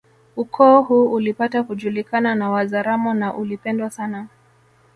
Ukoo huu ulipata kujulikana na Wazaramo na uli pendwa sana